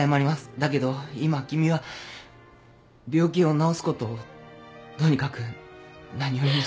だけど今君は病気を治すことをとにかく何よりもそれを。